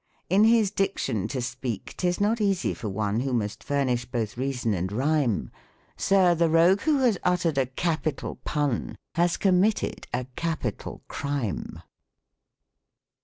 " In his diction to speak 'tis not easy for one Who must furnish both reason and rhyme : PROSODY. 109 "Sir, the rogue who has uttcr'd a capital pun, Has committed a capital crime.'